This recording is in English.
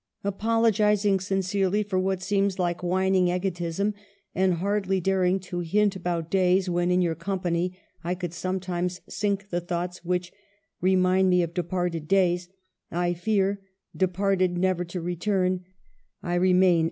"Apologizing sincerely for what seems like whining egotism, and hardly daring to hint about days when, in your company, I could sometimes sink the thoughts which ' remind me of departed days,' I fear 'departed never to return,' I re main, &c."